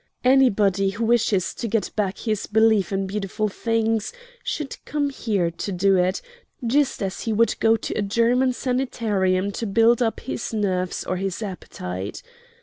Anybody who wishes to get back his belief in beautiful things should come here to do it, just as he would go to a German sanitarium to build up his nerves or his appetite.